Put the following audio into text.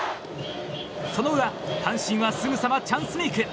その裏、阪神はすぐさまチャンスメイク。